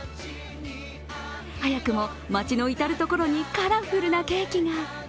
早くも、街の至る所にカラフルなケーキが。